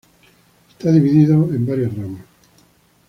Está dividido En varias ramas.